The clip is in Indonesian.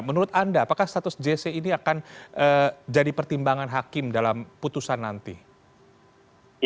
menurut anda apakah status jc ini akan jadi pertimbangan hakim dalam putusan nanti